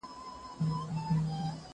هغه وويل چي ليکنه مهمه ده!؟